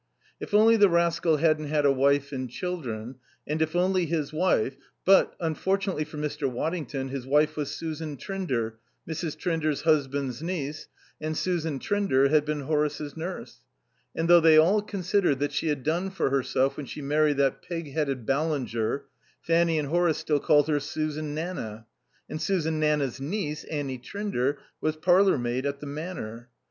If only the rascal hadn't had a wife and children, and if only his wife but, unfortunately for Mr. Waddington, his wife was Susan Trinder, Mrs. Trinder's husband's niece, and Susan Trinder had been Horace's nurse; and though they all considered that she had done for herself when she married that pig headed Ballinger, Fanny and Horace still called her Susan Nanna. And Susan Nanna's niece, Annie Trinder, was parlourmaid at the Manor.